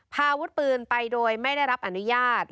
พาอาวุธปืนไปโดยไม่ได้รับอนุญาต